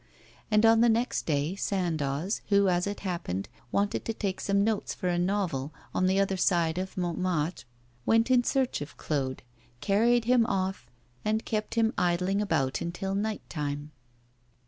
And on the next day Sandoz, who, as it happened, wanted to take some notes for a novel, on the other side of Montmartre, went in search of Claude, carried him off and kept him idling about until night time.